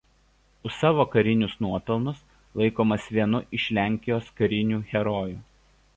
Už savo karinius nuopelnus laikomas vienu iš Lenkijos karinių herojų.